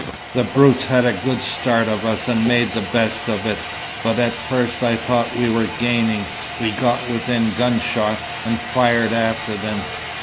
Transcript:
The brutes had a good start of us and made the best of it, but at first I thought we were gaining. We got within gunshot, and fired after them.